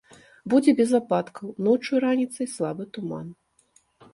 Будзе без ападкаў, ноччу і раніцай слабы туман.